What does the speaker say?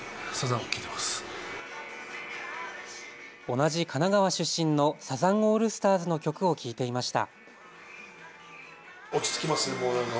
同じ神奈川出身のサザンオールスターズの曲を聴いていました。